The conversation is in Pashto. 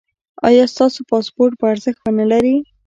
ایا ستاسو پاسپورت به ارزښت و نه لري؟